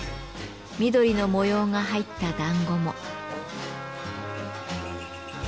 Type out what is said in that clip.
緑の模様が入った団子も。